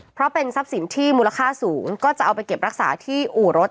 เพราะเป็นทรัพย์สินที่มูลค่าสูงก็จะเอาไปเก็บรักษาที่อู่รถ